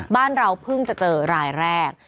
บ้านเราเพิ่งจะเจอรายแรก